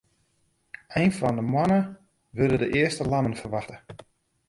Ein fan 'e moanne wurde de earste lammen ferwachte.